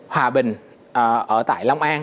hòa bình ở tại long an